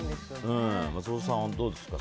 松尾さん、どうですか。